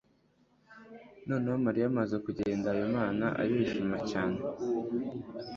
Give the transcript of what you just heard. Noneho Mariya amaze kugenda, Habimana arishimye cyane.